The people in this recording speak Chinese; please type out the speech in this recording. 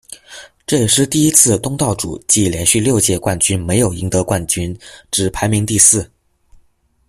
这也是第一次东道主暨连续六届冠军没有赢得冠军，只排名第四。